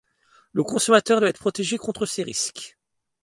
Le consommateur doit être protégé contre ces risques.